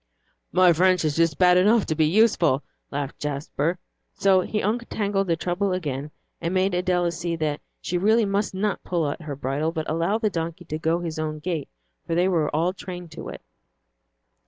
"My French is just bad enough to be useful," laughed Jasper. So he untangled the trouble again, and made Adela see that she really must not pull at her bridle, but allow the donkey to go his own gait, for they were all trained to it.